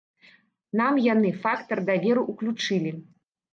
Нам яны фактар даверу ўключылі.